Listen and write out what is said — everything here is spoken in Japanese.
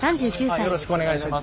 よろしくお願いします。